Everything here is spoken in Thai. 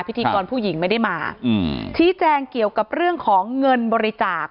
พิธีกรผู้หญิงไม่ได้มาชี้แจงเกี่ยวกับเรื่องของเงินบริจาค